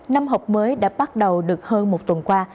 năm học mới đã bắt đầu được hơn một tuần qua